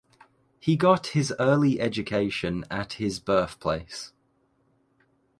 He got his early education at his birthplace.